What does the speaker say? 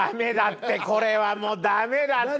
これはもうダメだって！